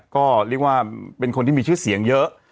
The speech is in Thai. ก็เรียกว่าเป็นคนที่มีชื่อเสียงเยอะ